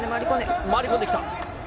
回り込んできた。